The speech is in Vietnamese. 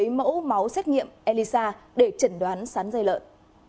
mẫu máu xét nghiệm elisa để chẩn đoán sán dây lợn